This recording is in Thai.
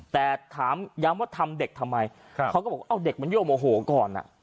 แต่ถามย้ำว่าทำเด็กทำไมเขาก็บอกเอาเด็กมันโยมโอ้โหก่อนอ่ะ